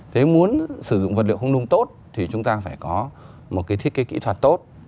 thế muốn sử dụng vật liệu không nung tốt thì chúng ta phải có một cái thiết kế kỹ thuật tốt